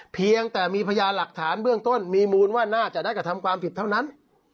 เพียงแต่มีพยานหลักฐานเบื้องต้นมีมูลว่าน่าจะได้กระทำความผิดเท่านั้น